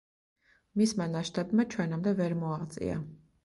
მისმა ნაშთებმა ჩვენამდე ვერ მოაღწია.